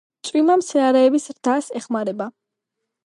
წვიმა მცენარეების ზრდას ეხმარება